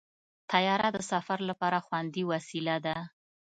طیاره د سفر لپاره خوندي وسیله ده.